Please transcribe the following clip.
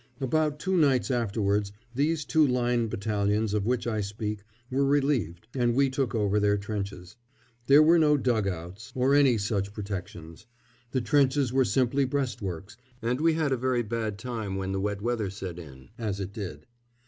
About two nights afterwards these two Line battalions of which I speak were relieved, and we took over their trenches. There were no dug outs, or any such protections; the trenches were simply breastworks, and we had a very bad time when the wet weather set in, as it did.